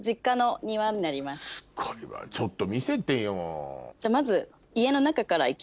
すっごいわちょっと見せてよ。